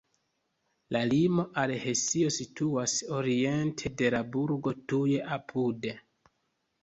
La limo al Hesio situas oriente de la burgo tuj apude.